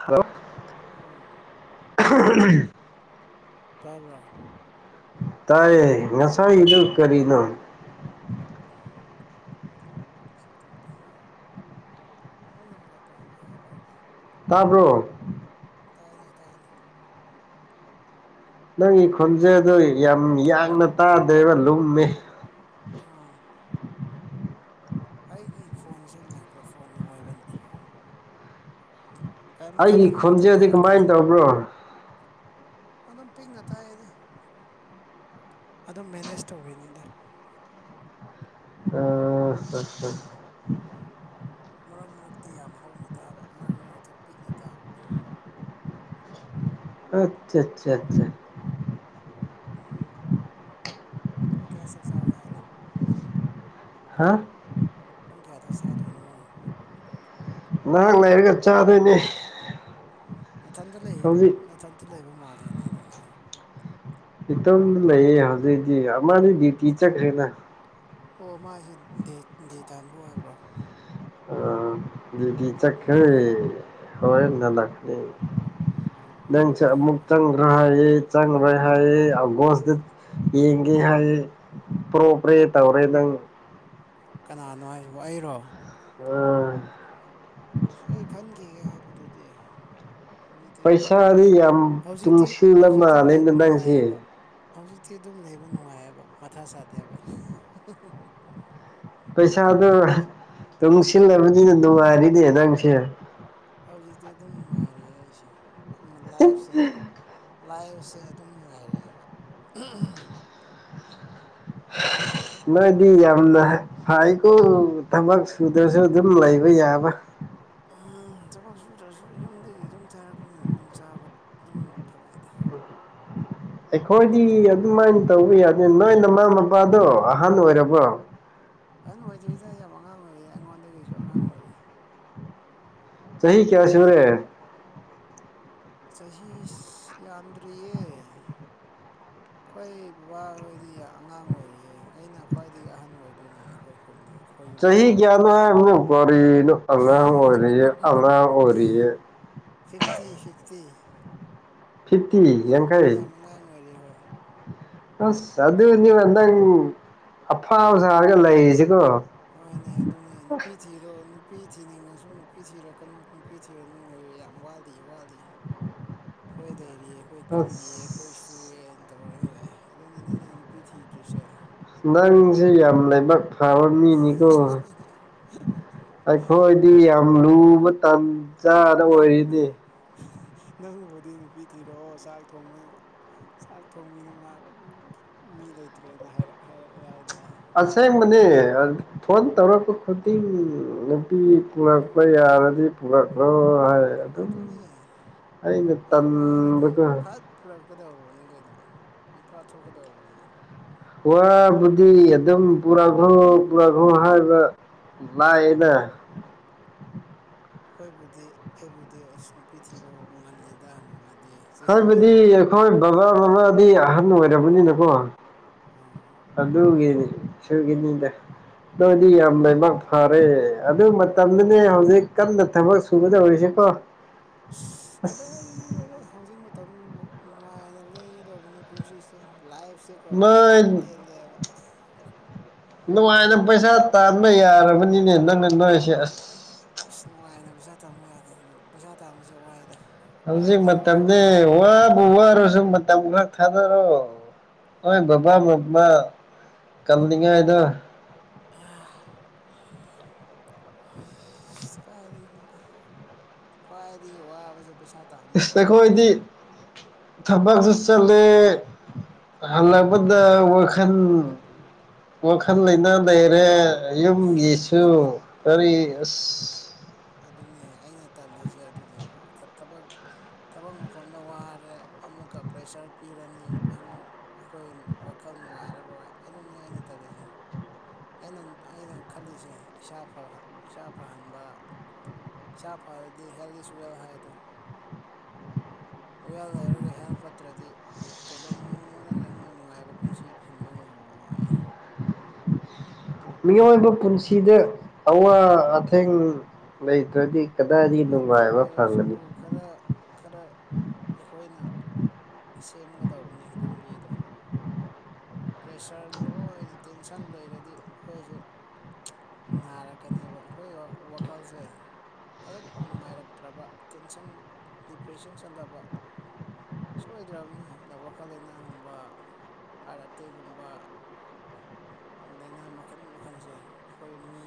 hello ꯎꯝ ꯇꯥꯔꯕ ꯇꯑꯦ ꯉꯁꯥꯏ ꯏ ꯀꯔꯤꯅꯣ ꯆꯠꯇꯗꯦ ꯑꯃꯨꯛ ꯅꯝꯕꯔ ꯄꯥꯝꯃꯦ ꯍꯥꯏꯔ ꯇꯥꯔꯕ꯭ꯔꯣ ꯇꯥꯏꯅ ꯇꯥꯏꯅ ꯅꯪꯒꯤ ꯈꯣꯟꯖꯦꯗꯣ ꯌꯥꯝ ꯌꯥꯡꯅ ꯇꯥ ꯀꯗꯂꯨꯃꯦ ꯑꯥ ꯑꯩꯒꯤ ꯐꯣꯟꯁꯦ ꯃꯥꯏꯀ꯭ꯔꯣꯐꯣꯟꯅ ꯑꯣꯏꯕꯅꯤ ꯑꯩꯒꯤ ꯑꯗꯨꯝ ꯈꯨꯟꯁꯦꯗꯤ ꯐꯔꯛꯀꯅꯤ ꯀꯃꯥꯏꯅ ꯇꯧꯕ꯭ꯔꯣ ꯑꯗꯨꯝ ꯄꯤꯛꯅ ꯇꯥꯏꯌꯦꯗ ꯑꯗꯨꯝ ꯃꯦꯅꯦꯖ ꯇꯧꯔꯤꯅꯦꯗ ꯑ ꯃꯔꯛ ꯃꯔꯛꯇ ꯌꯥꯝ ꯍꯧꯅ ꯇꯥꯕ ꯃꯔꯛ ꯃꯔꯛꯇ ꯄꯤꯛꯅ ꯇꯥꯕ ꯑꯆꯥ ꯑꯆꯥ ꯑꯆꯥ ꯇꯨꯡ ꯀꯌꯥ ꯁꯖꯥꯕꯌꯥ ꯍꯥꯏꯅ ꯍꯥ ꯄꯨꯡ ꯀꯌꯥꯗ ꯆꯥꯗꯣꯏꯅꯣ ꯅꯍꯥꯛ ꯂꯩꯔꯒ ꯆꯥꯗꯣꯏꯅꯦ ꯅꯥꯊꯟꯇ ꯂꯩ ꯍꯧꯖꯤꯛ ꯅꯥꯊꯟꯇ ꯂꯩꯕ ꯃꯥꯂꯦꯅꯦ ꯅꯪꯁꯦ ꯈꯤꯇꯝ ꯂꯩꯌꯦ ꯍꯧꯖꯤꯛꯇꯛꯇꯤ ꯑꯃꯅꯤ ꯗ꯭ꯌꯨꯇꯤ ꯆꯠꯈ꯭ꯔꯦꯅ ꯑꯣ ꯃꯥꯁꯦ ꯗꯦ ꯇꯥꯏꯝꯗ ꯑꯣꯏꯕ꯭ꯔꯣ ꯗꯤ ꯆꯈ ꯍꯔ ꯅ ꯂꯅꯤ ꯎꯝ ꯅ ꯐꯩ ꯐꯩ ꯃꯨꯛꯇꯪꯒ꯭ꯔꯍ ꯌꯦ ꯆꯪꯈ꯭ꯔꯦ ꯍꯥꯏꯌꯦꯦ ꯑꯒꯣꯁꯇ ꯌꯦꯡꯒꯦ ꯍꯥꯏꯌꯦꯦ ꯄ꯭ꯔꯣ ꯄ꯭ꯔꯦ ꯇꯧꯔꯦ ꯅꯪ ꯀꯅꯥꯅꯣ ꯍꯥꯏꯁꯤꯕ ꯑꯩꯔꯣ ꯎꯝ ꯁꯣꯏ ꯈꯟꯈꯤꯒꯦ ꯍꯥꯏꯕꯗꯨꯗꯤ ꯍꯧꯖꯤꯛꯇꯤ ꯄꯩꯁꯥꯗꯤ ꯌꯥꯝ ꯍꯧꯖꯤꯛꯇꯤ ꯇꯨꯡꯁꯤꯜꯂ ꯍꯧꯖꯤꯛꯇꯤ ꯃꯥꯂꯦꯅ ꯂꯩꯕ ꯅꯪꯁꯦ ꯅꯨꯡꯉꯥꯏꯌꯦꯕ ꯍꯧꯖꯤꯛꯇꯤ ꯑꯗꯨꯝ ꯂꯩꯕ ꯅꯨꯡꯉꯥꯏꯑꯕ ꯃꯊꯥ ꯁꯥꯗꯦꯕ ꯄꯩꯁꯥꯗꯣ ꯑꯗꯨꯨꯡ ꯁꯤꯜꯂꯕꯗꯤꯅ ꯅꯨꯡꯉꯥꯏꯔꯤꯅꯦ ꯅꯪꯁꯦ ꯍꯧꯖꯤꯛꯇꯤ ꯑꯗꯨꯝ ꯅꯨꯡꯉꯥꯏꯔꯦ ꯑꯩꯁꯦ ꯂꯥꯏꯐꯁꯦ ꯂꯥꯛꯕꯁꯦ ꯑꯗꯨꯝ ꯅꯨꯡꯉꯥꯏꯔꯛꯑꯦꯕ ꯅꯣꯏꯗꯤ ꯌꯥꯝꯅ ꯐꯥꯏꯀꯣ ꯊꯕꯛ ꯁꯨꯗ꯭ꯔꯁꯨ ꯑꯗꯨꯝ ꯂꯩꯕ ꯌꯥꯕ ꯎꯝ ꯊꯕꯛ ꯁꯨꯗ꯭ꯔꯁꯨ ꯌꯨꯝꯗꯒꯤ ꯑꯗꯨꯝ ꯊꯥꯔꯛꯄꯅꯤꯅ ꯑꯗꯨꯝ ꯆꯥꯕ ꯑꯗꯨꯝ ꯐꯪꯉꯦꯗ [unintelligible] ꯑꯩꯈꯣꯏꯗꯤ ꯑꯗꯨꯃꯥꯏꯅ ꯇꯧꯕ ꯌꯥꯗꯦ ꯅꯣꯏ ꯃꯃꯥ ꯃꯄꯥꯗꯣ ꯑꯍꯟ ꯑꯣꯏꯔꯕꯣ ꯑꯗꯨꯩꯅ ꯑꯣꯏꯖꯔꯤꯁꯦ ꯌꯥꯝ ꯑꯉꯥꯡ ꯑꯣꯏꯔꯤ ꯑꯩꯉꯣꯟꯗꯒꯤꯁꯨ ꯑꯉꯥꯡ ꯑꯣꯏꯔꯤ ꯆꯍꯤꯍꯤ ꯀꯌꯥ ꯑꯩꯅ ꯁꯨꯔꯦ ꯆꯍꯤ ꯌꯥꯝꯗ꯭ꯔꯤꯌꯦ ꯑꯩꯈꯣꯏ ꯕꯕꯥꯍꯣꯏꯗꯤ ꯑꯉꯥꯡ ꯑꯣꯏꯔꯤꯌꯦ ꯑꯩꯅ ꯈ꯭ꯋꯥꯏꯗꯒꯤ ꯑꯍꯟ ꯑꯣꯏꯗꯣꯏꯅꯦ ꯑꯩꯈꯣꯏ ꯈꯨꯟꯗ ꯑꯩꯈꯣꯏ ꯌꯨꯝꯗ ꯆꯍꯤ ꯆꯍꯤ ꯀꯌꯥꯗ ꯍꯥꯏ ꯀꯔꯤ ꯑ ꯑꯣꯏꯔ ꯑꯥꯡ ꯑꯣꯏꯔꯔꯤ ꯐꯤꯐꯇꯤ ꯐꯤꯐꯇꯤ ꯐꯤꯞꯇꯤ ꯌꯦꯡ ꯌꯥꯝ ꯀꯥꯏ ꯌꯥꯝ ꯑꯉꯥꯡ ꯑꯣꯏꯔꯤ ꯍꯣꯏ ꯑꯁ ꯑ ꯑꯗꯨꯅꯤꯗ ꯑꯐꯥ ꯁꯥꯔꯒ ꯂꯩꯁꯤꯀꯣ ꯍꯣꯏꯅꯦ ꯑꯗꯨꯅꯦ ꯅꯨꯄꯤ ꯊꯤꯔꯣ ꯅꯨꯄꯤ ꯊꯤꯅꯤꯡꯉꯁꯨ ꯅꯨꯄꯤ ꯊꯤꯔꯛꯀꯅꯨ ꯅꯨꯄꯤ ꯊꯤꯔꯅꯨ ꯌꯥꯝ ꯋꯥꯠꯂꯤ ꯋꯥꯠꯂꯤ ꯑꯩꯈꯣꯏ ꯂꯩꯔꯤꯌꯦ ꯑꯩꯈꯣꯏ ꯀꯜꯂꯤꯌꯦ ꯑꯩꯈꯣꯏ ꯑꯁ ꯁꯨꯑꯦꯅ ꯇꯧꯔ ꯂꯣꯏꯦ ꯑꯗꯨꯅꯅꯦꯅꯦ ꯅꯨꯄꯤ ꯊꯤꯗ꯭ꯔꯤꯁꯤ ꯆꯦ ꯪꯁ ꯐꯕꯅꯤ ꯅꯀ ꯑꯩꯈꯣꯏꯗꯤ ꯌꯥꯝ ꯂꯨꯕ ꯇꯟꯖꯥꯗ ꯅꯪ ꯑꯣꯏꯔꯤꯅꯤ ꯅꯪꯕꯨꯗꯤ ꯅꯨꯄꯤ ꯊꯤꯔꯛꯑꯣ ꯆꯥꯛ ꯊꯣꯡꯕ ꯆꯥꯛ ꯊꯣꯡꯕꯤꯅ ꯃꯥ ꯃꯤ ꯂꯩꯇ꯭ꯔꯦꯅ ꯍꯥꯏꯔ ꯍꯥꯏꯔꯛꯑꯦ ꯍꯥꯏꯇꯥꯔꯦ ꯑꯁꯦꯡꯕꯅꯦ ꯐꯣꯟ ꯇꯧꯔꯛꯄ ꯈꯨꯗꯤꯡ ꯅꯨꯄꯤ ꯄꯨꯛ ꯂ ꯌꯥꯔꯗꯤ ꯄꯨꯔꯛ꯭ꯔꯣ ꯍꯥꯏ ꯑꯗꯨꯝ ꯑꯗꯨꯅꯦ ꯑꯩꯅ ꯑꯗꯨ ꯇꯝꯕ ꯍꯥꯏꯔꯗꯤ ꯀ ꯐꯠ ꯊꯣꯛꯀꯗꯧꯕꯅꯤ ꯀꯩꯗꯣ ꯅꯨꯨꯄꯥ ꯊꯣꯛꯀꯗꯧꯕꯅꯤꯅꯦ ꯋꯥꯕꯨꯗꯤ ꯑꯗꯨꯝ ꯄꯨꯔꯥ ꯈꯣ ꯄꯨꯔꯥ ꯈ꯭ꯔꯣ ꯍꯥꯏꯕ ꯏꯅ ꯑꯩꯈꯣꯏꯕꯨꯗꯤ ꯑꯩꯕꯨꯗꯤ ꯑꯁ ꯅꯨꯄꯤ ꯊꯤꯕ ꯎ ꯉꯍꯜꯂꯤꯗ ꯍꯪꯉꯗꯤ ꯍꯥꯏꯕꯗꯤ ꯑꯩꯈꯣꯏ ꯕꯕꯥ ꯃꯃꯥꯗꯤ ꯑꯍꯟ ꯑꯣꯏꯔꯕꯅꯤꯅꯀꯣ ꯑꯣ ꯑꯗꯨꯒꯅꯤ ꯁꯒꯤꯅꯤꯗ ꯅꯣꯏꯗꯤ ꯌꯥꯝ ꯂꯩꯥꯏꯕꯥꯛ ꯐꯔꯦ ꯑꯗꯨ ꯃꯇꯝꯗꯅꯦ ꯍꯧꯖꯤꯛ ꯀꯟꯅ ꯊꯕꯛ ꯁꯨꯒꯗꯧꯔꯤꯁꯤꯀꯣ ꯑ ꯀꯗꯥꯏ ꯍꯧꯖꯤꯛ ꯇꯕꯤꯕꯨ ꯅꯨꯡꯉꯥꯏꯅ ꯂꯦꯡꯒꯗꯕꯅꯤ ꯄꯨꯟꯁꯤꯁꯦ ꯂꯥꯏꯐꯁꯦꯀꯣ ꯌꯥꯝ ꯅꯣꯏ ꯇꯦꯜꯂꯦꯕ ꯅꯨꯡꯉꯥꯏꯅ ꯄꯩꯁꯥ ꯇꯥꯟꯕ ꯌꯥꯔꯕꯅꯤꯅꯦ ꯅꯪꯅ ꯅꯣꯏꯁꯦ ꯑꯁ ꯑꯁ ꯅꯨꯡꯉꯥꯏꯅ ꯄꯩꯁꯥ ꯇꯥꯟꯕ ꯌꯥꯗꯦꯗꯅ ꯄꯩꯁꯥ ꯇꯁꯦ ꯋꯥꯏꯗ ꯍꯧꯜꯖꯤ ꯈ꯭ꯋꯥꯏꯗꯒꯤ ꯋꯥꯕꯁꯦ ꯃꯗꯤ ꯍꯕꯨ ꯋꯥꯔꯣꯁꯨꯨꯝ ꯇ ꯈꯔ ꯈꯥꯗ ꯔꯣꯣꯏ ꯕꯕꯥ ꯃꯃ ꯀꯜꯂꯤꯉ ꯏꯗꯣ ꯀꯥꯏꯏꯗꯒꯤꯅꯣ ꯈ꯭ꯋꯥꯏꯗꯒꯤ ꯋꯥꯕꯁꯦ ꯄꯩꯁꯥ ꯏꯁ ꯍꯞꯇꯥꯕꯅꯦꯦ ꯋꯥꯕꯁꯦ ꯑꯩꯈꯣꯏꯗꯤ ꯊꯕꯛꯁꯨ ꯆꯠꯂꯦ ꯍꯜꯂꯛꯄꯗ ꯋꯥꯈꯜ ꯋꯥꯈꯜ ꯂꯩꯅꯥ ꯂꯩꯔꯦ ꯌꯨꯝꯒꯤꯁꯨ ꯀꯔꯤ ꯑꯁ ꯑꯗꯨꯅꯦ ꯑꯩꯅ ꯇꯜꯂꯤꯁꯦ ꯑꯗꯨꯗꯤ ꯊꯕꯛ ꯊꯕꯛ ꯃꯐꯝꯗ ꯋꯥꯔꯦ ꯑꯃꯨꯛꯀ ꯄ꯭ꯔꯦꯁꯔ ꯄꯤꯔꯅꯤ ꯑꯃꯨꯛ ꯑꯩꯈꯣꯏ ꯋꯥꯈꯜ ꯅꯨꯡꯉꯥꯏꯔꯔꯣꯏ ꯑꯗꯨꯅꯤ ꯑꯩꯅ ꯇꯜꯂꯤꯁꯦ ꯑꯩꯅ ꯑꯩꯅ ꯈꯜꯂꯤꯁꯦ ꯏꯁꯥ ꯏꯁꯥ ꯐꯍꯟꯕ ꯁꯥ ꯐꯔꯗꯤ ꯍꯦꯜꯗꯤ ꯏꯁ ꯋꯦꯜ ꯍꯥꯏꯗ ꯍꯋꯦꯜ ꯂꯩꯔꯒ ꯍꯦꯜ ꯐꯠꯇ꯭ꯔꯗꯤ ꯀꯩꯗꯧꯅꯨꯡꯗ ꯅꯪ ꯅꯨꯡꯉꯥꯏꯕ ꯄꯨꯟꯁꯤ ꯐꯤꯡꯕ ꯉꯝꯃꯣꯏ ꯃꯤꯑꯣꯏꯕ ꯄꯨꯟꯁꯤꯗ ꯑꯋꯥ ꯑꯊꯦꯡ ꯂꯩꯇ꯭ꯔꯗꯤ ꯀꯗꯥꯏꯗꯒꯤ ꯑꯗꯨ ꯅꯨꯡꯉꯥꯏꯕ ꯑꯣꯏꯔꯁꯨ ꯐꯪꯒꯅꯤ ꯈꯔ ꯈꯔ ꯑꯩꯈꯣꯏꯅ ꯁꯦꯝꯒꯗꯧꯕꯅꯦ ꯂꯝꯕꯤꯗꯣ ꯄ꯭ꯔꯦꯁꯔ ꯂꯣꯏꯅ ꯇꯦꯟꯁꯟ ꯂꯩꯔꯗꯤ ꯑꯩꯈꯣꯏꯁꯦ ꯅꯥꯔꯛꯀꯅꯦꯕ ꯑꯩꯈꯣꯏ ꯋꯥꯈꯜꯁꯦ ꯍꯦꯛ ꯅꯨꯡꯉꯥꯏꯔꯛꯇ꯭ꯔꯕ ꯇꯦꯟꯁꯟ ꯗꯤꯄ꯭ꯔꯦꯁꯟ ꯆꯜꯂꯕ ꯁꯣꯏꯗ꯭ꯔꯕꯅꯤ ꯑꯗ ꯋꯥꯈꯜ ꯂꯩꯅꯥꯒꯨꯝꯕ ꯍꯥꯏꯔ ꯀꯇꯩꯒꯨꯝꯕ ꯂꯥꯏꯅꯥ ꯃꯈꯜ ꯃꯈꯜꯁꯦ ꯑꯩꯈꯣꯏ ꯃꯤ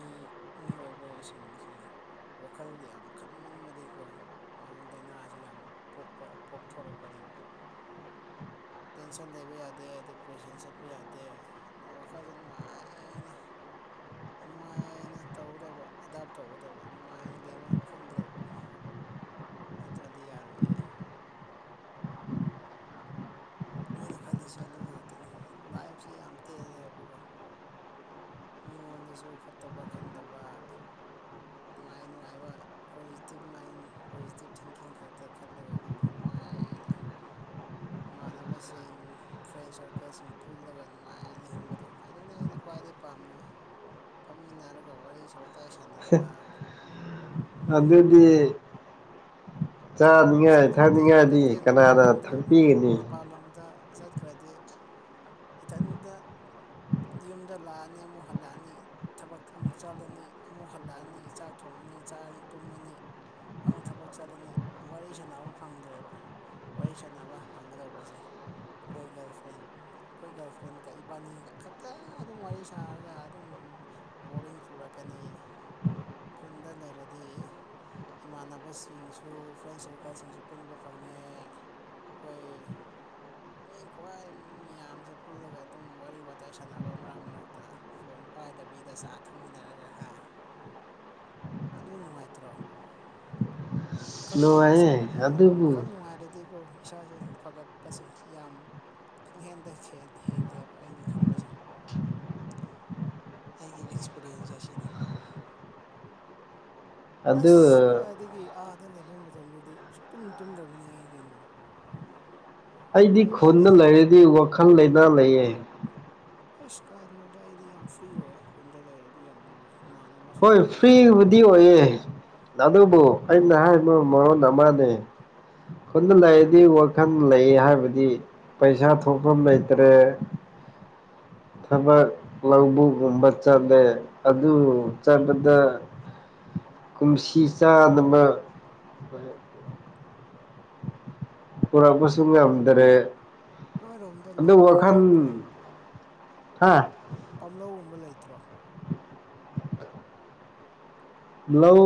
ꯃꯤꯑꯣꯏꯕꯁꯤꯡꯁꯦ ꯋꯥꯈꯜ ꯌꯥꯝ ꯈꯟꯃꯟꯕꯗꯤꯀꯣ ꯑꯗꯨ ꯂꯥꯏꯅꯥꯁꯤ ꯌꯥꯝ ꯄꯣꯛꯊꯣꯔꯛꯄꯅꯦꯕ ꯇꯦꯟꯁꯟ ꯂꯩꯕ ꯌꯥꯗꯦ ꯗꯤꯄ꯭ꯔꯦꯁꯟ ꯆꯠꯄ ꯌꯥꯗꯦ ꯋꯥꯈꯜ ꯀꯖꯅꯅꯨꯡ ꯍꯥꯏꯥꯏꯅ ꯅꯨꯡꯉꯥꯏꯅ ꯇꯧꯒꯗꯧꯕ ꯑꯦꯗꯥꯞ ꯇꯧꯒꯗꯕ ꯅꯨꯡꯉꯥꯏꯅ ꯂꯩꯕ ꯈꯟꯒꯗꯧꯕ ꯅꯠꯇ꯭ꯔꯗꯤ ꯌꯥꯔꯣꯏꯑꯦ ꯑꯩꯅ ꯈꯜꯂꯤꯁꯦ ꯑꯗꯨ ꯉꯥꯛꯇꯅꯤ ꯂꯥꯏꯐꯁꯤꯦ ꯌꯥꯝ ꯇꯦꯜꯂꯦꯕꯀꯣ ꯃꯤꯉꯣꯟꯗꯁꯨ ꯐꯠꯇꯕ ꯈꯟꯗꯕ ꯅꯨꯡꯉꯥꯏ ꯅꯨꯡꯉꯥꯏꯕ ꯄꯣꯖꯤꯇꯤꯚ ꯃꯥꯏꯟ ꯄꯣꯖꯤꯇꯤꯚ ꯊꯤꯡꯀꯤꯡ ꯈꯛꯇ ꯈꯜꯂꯒꯀꯣ ꯅꯨꯡꯉ ꯐꯉꯥꯏꯗ ꯏꯃꯥꯟꯅꯕꯁꯤꯡ ꯐ꯭ꯔꯦꯟ ꯁꯥꯔꯀꯜꯁꯤꯡ ꯄꯨꯜꯂꯒ ꯅꯨꯡꯉꯥꯏꯑꯅ ꯍꯤꯡꯕꯗꯣ ꯑꯗꯨꯅꯤ ꯑꯩꯅ ꯈ꯭ꯋꯥꯏꯗꯒꯤ ꯄꯥꯝꯕꯁꯦ ꯐꯝꯃꯤꯟꯅꯔꯒ ꯋꯥꯔꯤ ꯁꯠ ꯑꯗꯨꯗꯗꯤ ꯊꯕꯛꯄꯨ ꯆꯠꯈ꯭ꯔꯗꯤ ꯊꯛꯅꯤꯡꯉꯥꯏꯗꯤ ꯅꯠꯇꯦ ꯀꯅꯥꯅ ꯃꯄꯥꯟꯂꯣꯝꯗ ꯊꯛꯄꯤꯒꯅꯤ ꯃꯄꯥꯟꯂꯣꯝꯗ ꯖꯥꯠ ꯈꯔꯗꯤ ꯏꯊꯟꯗ ꯌꯨꯝꯗ ꯂꯥꯛꯑꯅꯤ ꯑꯃꯨꯛ ꯍꯜꯂꯛꯑꯅꯤ ꯊꯕꯛ ꯑꯃꯨꯛ ꯆꯠꯂꯅꯤ ꯑꯃꯨꯛ ꯍꯜꯂꯛꯑꯅꯤ ꯆꯥꯛ ꯊꯣꯡꯉꯅꯤ ꯊꯣꯡꯉꯅꯤ ꯆꯥꯔꯅꯤ ꯇꯨꯝꯃꯅꯤ ꯑꯃꯨꯛ ꯊꯕꯛ ꯆꯠꯂꯅꯤ ꯋꯥꯔꯤ ꯁꯥꯟꯅꯕ ꯐꯪꯗ꯭ꯔꯦꯕ ꯋꯥꯔꯤ ꯁꯥꯟꯅꯕ ꯐꯪꯒꯗꯧꯕꯁꯦ ꯑꯩꯈꯣꯏ ꯒꯥꯔꯜ ꯐ꯭ꯔꯦꯟ ꯑꯩꯈꯣꯏ ꯒꯥꯔꯜ ꯐ꯭ꯔꯦꯟꯒ ꯏꯕꯥꯅꯤꯒ ꯈꯛꯇ ꯑꯗꯨꯝ ꯋꯥꯔꯤ ꯁꯥꯔꯒ ꯑꯗꯨꯝ ꯕꯣꯔꯤꯡ ꯁꯨꯔꯀꯦ ꯑꯅꯤ ꯈꯨꯟꯗ ꯂꯩꯔꯗꯤ ꯏꯃꯥꯟꯅꯕꯁꯤꯡꯁꯨ ꯐ꯭ꯔꯦꯟ ꯁꯔꯀꯜꯁꯤꯡꯁꯨ ꯄꯨꯟꯕ ꯐꯪꯉꯦ ꯑꯩꯈꯣꯏ ꯃꯤ ꯈ꯭ꯋꯥꯏ ꯃꯌꯥꯝꯁꯦ ꯄꯨꯜꯂꯒ ꯑꯗꯨꯝ ꯋꯥꯔꯤ ꯋꯥꯇꯥꯏ ꯁꯥꯟꯅꯕ ꯃꯔꯛ ꯃꯔꯛꯇ ꯐꯣꯟ ꯄꯏꯗꯕꯤꯗ ꯆꯥ ꯊꯛꯃꯤꯟꯅꯔꯒ ꯍꯥꯏ ꯑꯗꯨ ꯅꯨꯡꯉꯥꯏꯇ꯭ꯔꯣ ꯋꯥꯈꯜ ꯅꯨꯡꯉꯥꯏꯌꯦ ꯑꯁꯦꯡꯕꯅꯦ ꯑꯗꯨꯕꯨ ꯋꯥꯈꯜ ꯅꯨꯡꯉꯥꯏꯔꯗꯤꯀꯣ ꯏꯁꯥꯁꯦ ꯐꯒꯠ ꯆꯄꯁꯦ ꯌꯥꯝ ꯈꯪꯍꯦꯟꯗꯈꯤ ꯍꯦꯜꯂꯦꯕ ꯑꯩꯅ ꯈꯟꯕꯁꯦ ꯑꯩꯒꯤ ꯑꯦꯛꯁꯄꯤꯔꯤꯌꯦꯟꯁꯁꯦ ꯑꯁꯤꯅꯤ ꯑꯗꯨ ꯑꯁ ꯀꯥꯏ ꯑꯗꯨꯒꯗꯒꯤ ꯑ ꯑꯗ ꯂꯩꯐꯝ ꯃꯇꯝꯗꯨꯗꯤ ꯑ ꯄꯨꯝ ꯇꯨꯝꯗꯕꯅꯦ ꯑꯩ ꯀꯩꯅꯣ ꯑꯩꯗꯤ ꯄꯨꯡ ꯈꯨꯟꯗ ꯑꯅꯤ ꯂꯩꯔꯗꯤ ꯋꯥꯈꯜ ꯂꯩꯅꯥ ꯂꯩꯌꯦ ꯑꯁ ꯀꯥꯏꯅꯣꯗ ꯑꯩꯗꯤ ꯌꯥꯝ ꯐ꯭ꯔꯤ ꯑꯣꯏ ꯈꯨꯟꯗ ꯂꯩꯔꯗꯤ ꯌꯥꯝ ꯅꯨꯡꯉꯥꯏ ꯏꯃꯥꯟꯅꯕꯁꯤꯡ ꯍꯣꯏ ꯄꯨꯜꯂꯒ ꯐ꯭ꯔꯤꯕꯨꯗꯤ ꯑꯣꯏꯌꯦꯦ ꯑꯗꯨꯕꯨ ꯑꯩ ꯅꯍꯥ ꯃ ꯃꯔꯣꯟꯅꯦ ꯈꯨꯟꯗ ꯂꯩꯔꯗꯤ ꯋꯥꯈꯜ ꯂꯩ ꯍꯥꯏꯕꯗꯤ ꯄꯩꯁꯥ ꯊꯣꯛꯐꯝ ꯂꯩꯇ꯭ꯔꯦ ꯊꯕꯛ ꯂꯧꯕꯒꯨꯝꯕ ꯆꯠꯂꯦ ꯑꯗꯨ ꯆꯠꯗ ꯀꯨꯨꯝ ꯁ ꯆꯥ ꯅꯕ ꯀꯔꯄꯁꯨꯨꯝ ꯌꯥꯝꯗꯔꯦ ꯅꯣꯏꯔꯣꯝꯗ ꯑꯗ ꯂꯧꯒꯨꯝꯕ ꯋꯥꯈꯥꯟ ꯍꯥꯥ ꯇꯝꯂꯧꯒꯨꯝꯕ ꯂꯩꯇ꯭ꯔꯣ ꯂꯧ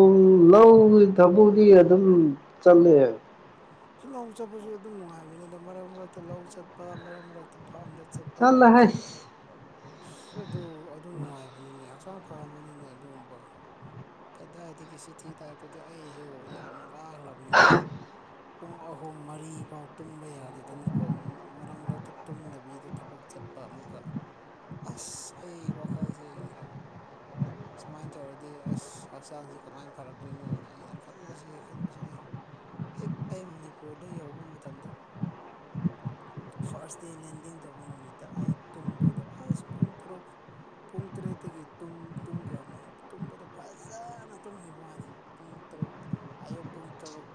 ꯂꯧꯒꯤ ꯊꯕꯛꯗꯤ ꯑꯗꯨꯝ ꯆꯠꯂꯦ ꯂꯧ ꯆꯠꯄꯁꯨ ꯑꯗꯨꯝ ꯅꯨꯡꯉꯥꯏꯕꯅꯤꯅ ꯃꯔꯛ ꯃꯔꯛꯇ ꯂꯧ ꯆꯠꯄ ꯃꯔꯛ ꯃꯔꯛꯇ ꯐꯥꯝꯗ ꯆꯠꯄ ꯆꯠꯂꯦ ꯍꯩꯁ ꯑꯗꯨ ꯑꯗꯨ ꯅꯨꯡꯉꯥꯏꯕꯅꯤꯅꯦ ꯍꯛꯆꯥꯡ ꯐ ꯑꯃꯅꯤꯅꯤꯅꯦ ꯑꯗꯨꯒꯨꯝꯕ ꯀꯗꯥꯏꯗꯒꯤꯒ ꯁꯤꯇꯤ ꯇꯥꯏꯞꯇꯨꯗꯤ ꯑꯩꯍꯦ ꯌꯥꯝ ꯋꯥꯈ꯭ꯔꯕꯅꯤꯀꯣ ꯄꯨꯡ ꯑꯍꯨꯝ ꯃꯔꯤꯐꯥꯎ ꯇꯨꯝꯕ ꯌꯥꯗꯗꯅꯀꯣ ꯃꯔꯛ ꯃꯔꯛꯇ ꯇꯨꯝꯗꯕꯤꯗ ꯊꯕꯛ ꯆꯠꯄ ꯑꯃꯨꯛꯀ ꯑꯁ ꯑꯩ ꯋꯥꯈꯜꯁꯦ ꯁꯨꯃꯥꯏꯅ ꯇꯧꯔꯗꯤ ꯑꯁ ꯍꯛꯆꯥꯡꯁꯦ ꯀꯃꯥꯏꯅ ꯐꯔꯛꯇꯣꯏꯅꯣꯅ ꯑꯩꯅ ꯈꯟꯕꯁꯤ ꯈꯟꯕꯁꯤꯗꯤ ꯍꯦꯛ ꯑꯩ ꯃꯅꯤꯄꯨꯔꯗ ꯌꯧꯕ ꯃꯇꯝꯗ ꯐꯥꯔꯁ ꯗꯦ ꯂꯦꯟꯗꯤꯡ ꯇꯧꯕ ꯅꯨꯃꯤꯠꯇ ꯑꯩ ꯇꯨꯝꯕꯗꯣ ꯑꯁ ꯄꯨꯡ ꯇꯔꯨꯛ ꯄꯨꯡ ꯇꯔꯦꯠꯇꯒꯤ ꯇꯨꯝꯈ꯭ꯔꯕꯅꯦ ꯇꯨꯝꯕꯗ ꯐꯖꯅ ꯇꯨꯝꯈꯤꯕ ꯋꯥꯅꯤ ꯄꯨꯡ ꯇꯔꯨꯛ ꯑꯌꯨꯛ ꯄꯨꯡ ꯇꯔꯨꯛ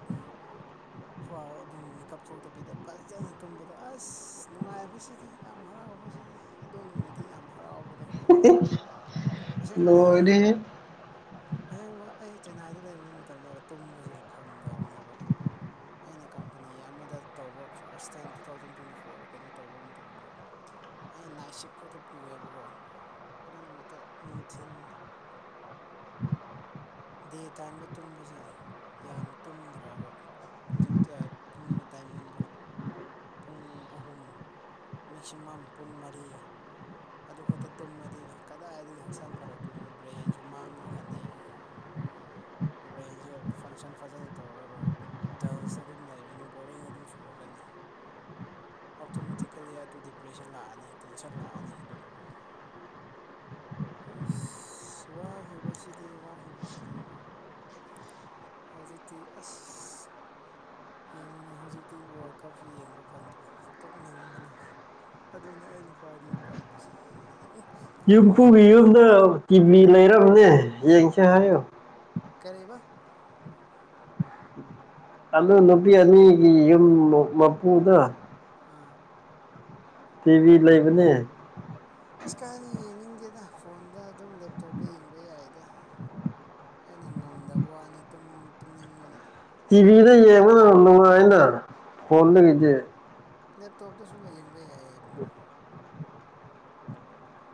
ꯄꯥꯎ ꯑꯗꯨꯝ ꯃꯦꯀꯞ ꯊꯣꯛꯇꯕꯤꯗ ꯐꯖꯅ ꯇꯨꯝꯕꯗꯣ ꯑꯁ ꯅꯨꯡꯉꯥꯏꯕꯁꯤꯗꯤ ꯌꯥꯝ ꯍꯔꯥꯎ ꯍꯔꯥꯎꯕꯁꯤꯗꯤ ꯑꯗꯨꯣ ꯅꯨꯃꯤꯠꯇ ꯌꯥꯝ ꯍꯔꯥꯎꯕꯗꯣ [inaudible] ꯑꯁꯦꯡꯕꯅꯦ ꯂꯣꯏꯔꯦꯍꯦ ꯑꯁꯦꯡꯕ ꯑꯩ ꯆꯦꯟꯅꯥꯏꯗ ꯂꯩꯕ ꯃꯇꯝꯗ ꯇꯨꯝꯕꯁꯦ ꯐꯪꯗꯕꯅꯦꯕ ꯑꯩꯅ ꯀꯝꯄꯅꯤ ꯑꯃꯗ ꯇꯧꯕ first time two thousand twenty ꯐꯣꯔꯗ ꯀꯩꯅꯣ ꯇꯧꯕ ꯃꯇꯝꯗ ꯑꯩ ꯅꯥꯏꯠ ꯁꯤꯞ ꯈꯛꯇ ꯄꯨꯑꯦꯕꯀꯣ ꯑꯗꯨ ꯅꯨꯃꯤꯠꯇꯣ ꯅꯨꯡꯊꯤꯟ ꯗꯦ ꯇꯥꯏꯝꯗ ꯇꯨꯝꯕꯁꯦ ꯌꯥꯝ ꯇꯨꯝꯗ꯭ꯔꯦꯕ ꯖꯤꯞ ꯇ ꯑ ꯇꯨꯝꯕ ꯇꯥꯏꯃꯤꯡꯗꯣ ꯄꯨꯡ ꯑꯍꯨꯝ ꯃꯦꯛꯁꯤꯃꯝ ꯄꯨꯡ ꯃꯔꯤ ꯑꯗꯨ ꯈꯛꯇ ꯇꯨꯝꯃꯗꯤ ꯍꯛ ꯀꯗꯥꯏꯗꯒꯤ ꯍꯛꯆꯥꯡ ꯐꯔꯛꯇꯣꯏꯅꯣ ꯕ꯭ꯔꯦꯟꯁꯨ ꯃꯥꯡꯉꯛꯀꯅꯤ ꯑꯟꯑꯣꯗꯤꯕꯜ ꯕ꯭ꯔꯦꯟꯁꯦ ꯐꯪꯁꯟ ꯐꯖꯅ ꯇꯧꯔꯔꯣꯏ ꯗꯜꯁꯇ ꯑꯗꯨꯝ ꯂꯩꯔꯅꯤ ꯕꯣꯔꯤꯡ ꯑꯗꯨꯝ ꯆꯨꯔꯛꯀꯅꯤ ꯑꯣꯇꯣꯃꯦꯇꯤꯀꯦꯜꯂꯤ ꯑꯗꯨ ꯗꯤꯄ꯭ꯔꯦꯁꯟ ꯂꯥꯛꯑꯅꯤ ꯇꯦꯟꯁꯟ ꯂꯥꯛꯑꯅꯤ ꯑꯟꯏꯟꯇꯦꯜꯂꯤꯖꯦꯕꯜ ꯑꯁ ꯋꯥꯈꯤꯕꯁꯤꯗꯤ ꯋꯥꯈꯤꯕꯁꯤꯗꯤ ꯀꯣ ꯍꯧꯖꯤꯛꯇꯤ ꯑꯁ ꯌꯦꯡꯉꯨꯅꯤ ꯍꯧꯖꯤꯛꯇꯤ ꯋꯥꯔꯜ ꯀꯞꯁꯨ ꯌꯦꯡꯕ ꯐꯪꯗ꯭ꯔꯦ ꯇꯨꯝꯅꯤꯡꯕꯅ ꯑꯗꯨꯅꯦ ꯑꯩꯅ ꯈ꯭ꯋꯥꯏꯗꯒꯤ ꯄꯥꯝꯕꯁꯦ ꯌꯨꯝ ꯄꯨꯒꯤ ꯅꯨꯡꯉꯥꯏꯕꯁꯤꯗꯤ ꯌꯨꯝꯗ ꯀꯤꯚꯤ ꯂꯩꯔꯝꯅꯦ ꯌꯦꯡꯁꯦ ꯍꯥꯏꯌꯣ ꯀꯔꯦꯕ ꯑꯗꯨ ꯅꯨꯄꯤ ꯑꯅꯤꯒꯤ ꯌꯨꯝ ꯃ ꯃꯄꯨꯗ ꯑꯥ ꯇꯤꯚꯤ ꯂꯩꯕꯅꯦ ꯏꯁꯀꯥꯏꯗ ꯌꯦꯡꯅꯤꯡꯗꯦꯗ ꯐꯣꯟꯗ ꯑꯗꯨꯝ ꯂꯦꯞꯇꯣꯞꯇ ꯌꯦꯡꯕ ꯌꯥꯏꯗ ꯑꯩꯅ ꯉꯝꯗꯕ ꯋꯥꯅꯤ ꯇꯨꯝ ꯇꯨꯝꯅꯤꯡꯕꯅ ꯇꯤꯚꯤꯗ ꯌꯦꯡꯕꯅ ꯅꯨꯡꯉꯥꯏꯅ ꯐꯣꯟꯗꯒꯤꯗꯤ ꯂꯦꯞꯇꯣꯞꯇꯁꯨ ꯂꯩ ꯌꯦꯡꯕ ꯌꯥꯏꯌꯦ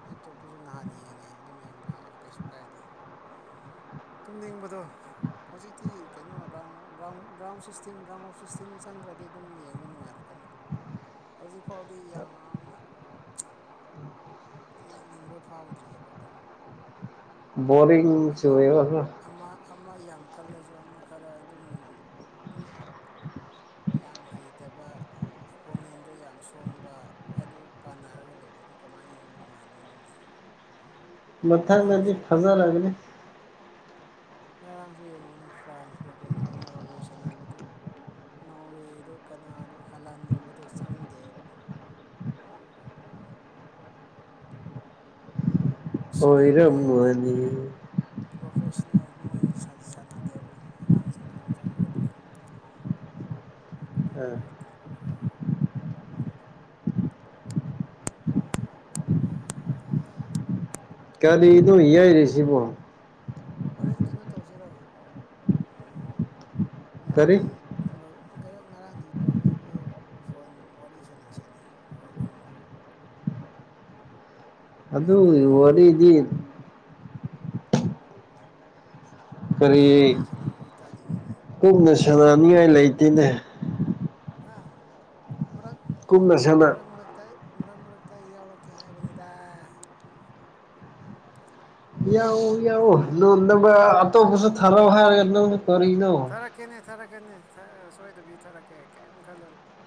ꯂꯦꯞꯇꯣꯞꯇꯨꯁꯨ ꯅꯍꯥꯟ ꯌꯦꯡꯉꯦ ꯑꯗꯨꯝ ꯌꯦꯡꯕ ꯌꯥꯏ ꯀꯩꯁꯨ ꯀꯥꯏꯗꯦ ꯇꯨꯝꯅꯤꯡꯕꯗꯣ ꯍꯧꯖꯤꯛꯇꯤ ꯀꯩꯅꯣ ꯔꯥꯎꯟ ꯔ ꯔꯥꯎꯟ ꯑꯣ ꯔꯥꯎꯟ ꯁꯤꯁꯇꯦꯝ ꯔꯥꯎꯟ ꯑꯣ ꯁꯤꯁꯇꯦꯝꯗ ꯆꯪꯈ꯭ꯔꯗꯤ ꯑꯗꯨꯝ ꯌꯦꯡꯕ ꯅꯨꯡꯉꯥꯏꯔꯛꯀ ꯍꯧꯖꯤꯛ ꯐꯥꯎꯗꯤ ꯌꯥꯝꯅ ꯌꯦꯡꯅꯤꯡꯕ ꯐꯥꯎꯗ꯭ꯔꯤꯌꯦꯕ ꯕꯣꯔꯤꯡ ꯆꯨꯏꯌꯦꯕ ꯀꯣ ꯑꯃ ꯑꯃ ꯌꯥꯝ ꯀꯜꯂꯁꯨ ꯑꯃ ꯈꯔ ꯑꯗꯨꯝ ꯌꯥꯝ ꯍꯩꯇꯕ ꯑꯄꯣꯅꯦꯟꯗꯣ ꯌꯥꯝ ꯁꯣꯟꯕ ꯑꯗꯨ ꯄꯥꯟꯅꯔꯒ ꯂꯩꯔꯗꯤ ꯀꯃꯥꯏꯅ ꯌꯦꯡꯕ ꯅꯨꯡꯉꯥꯏꯗꯣꯏꯅꯣꯅꯦ ꯑꯟꯑꯣꯗꯤꯕꯜ ꯃꯊꯪꯗꯗꯤ ꯐꯖꯥ ꯂꯒꯅꯤ ꯉꯔꯥꯡꯁꯨ ꯌꯦꯡꯕꯨꯅꯦ ꯐ꯭ꯔꯥꯟꯁꯀ ꯀꯩꯅꯣ ꯅꯣꯔꯋꯦ ꯁꯥꯟꯅꯕꯗꯣ ꯅꯣꯋꯦꯗꯨ ꯀꯅꯥꯅꯣ ꯍꯂꯟꯒꯨꯝꯕꯗꯣ ꯆꯪꯗꯦꯕ ꯁꯤꯅꯤꯌꯔ ꯄ꯭ꯂꯦ ꯑꯐ꯭ꯔꯣ ꯑꯣꯏꯔꯝꯃꯅꯤ ꯄ꯭ꯔꯣꯐꯦꯁꯅꯦꯜ ꯃꯣꯏ ꯁꯥꯟ ꯁꯥꯟꯅꯗꯦꯕ ꯑꯉꯥꯡꯁꯤꯡ ꯑꯗꯨꯝ ꯆꯪꯒꯗꯦ ꯑꯗꯨꯗꯤ ꯅꯨꯡꯉꯥꯏꯇꯦꯕ ꯀꯔꯤꯅꯣ ꯌꯩꯔꯤꯁꯤꯕꯣ ꯍꯣꯔꯦꯟ ꯀꯩꯅꯣ ꯇꯧꯁꯤꯔꯣ ꯀꯔꯤ ꯉꯔꯥꯡꯒꯤ ꯅꯝꯕꯔ ꯗꯨ ꯉꯔꯥꯡ ꯉꯔꯥꯡ ꯅꯝꯕꯔ ꯄꯤꯕꯗꯨ ꯐꯣꯟ ꯋꯥꯔꯤ ꯁꯥꯟꯅꯁꯤꯅꯦ ꯑꯩꯈꯣꯏ ꯑꯍꯨꯝ ꯑꯩ ꯑꯗꯨꯒꯤ ꯇꯥꯅꯤꯡꯉꯦꯅꯦ ꯋꯥꯔꯤꯗꯤ ꯀꯔꯤ ꯑꯩ ꯋꯥꯔꯤ ꯁꯥꯟꯅꯕꯁꯨ ꯇꯥꯅꯤꯡꯉꯦꯅꯦ ꯄꯨꯟꯅ ꯁꯥꯟꯅꯅꯤꯡꯉꯥꯏ ꯂꯩꯇꯦꯅꯦ ꯍꯥ ꯃꯔꯛ ꯃ ꯀꯨꯞꯅ ꯁꯥꯟꯅ ꯃꯔꯛ ꯃꯔꯛꯇ ꯃꯔꯛ ꯃꯔꯛꯇ ꯑꯩ ꯌꯥꯎꯔꯛꯀꯦ ꯍꯥꯏꯕꯅꯤꯗ ꯌꯥꯎꯑꯣ ꯌꯥꯎꯑꯣ ꯅ ꯅꯝꯕꯔ ꯑꯇꯣꯞꯄꯁꯨ ꯊꯔꯛꯑꯣ ꯍꯥꯏꯔꯒ ꯅꯪ ꯊꯥꯔꯛꯀꯦꯅꯦ ꯊꯥꯔꯛꯀꯦꯅꯦ ꯁꯣꯏꯗꯕꯤ ꯊꯥꯔꯛꯀꯦ ꯀꯩꯝ ꯈꯜꯂꯨꯅ